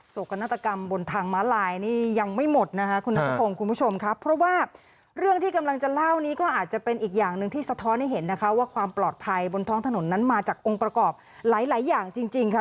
กนาฏกรรมบนทางม้าลายนี่ยังไม่หมดนะคะคุณนัทพงศ์คุณผู้ชมครับเพราะว่าเรื่องที่กำลังจะเล่านี้ก็อาจจะเป็นอีกอย่างหนึ่งที่สะท้อนให้เห็นนะคะว่าความปลอดภัยบนท้องถนนนั้นมาจากองค์ประกอบหลายอย่างจริงค่ะ